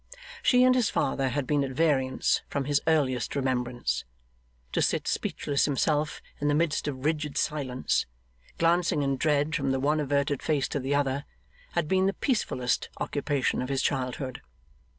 She and his father had been at variance from his earliest remembrance. To sit speechless himself in the midst of rigid silence, glancing in dread from the one averted face to the other, had been the peacefullest occupation of his childhood.